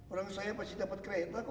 orang saya pasti dapat kreatif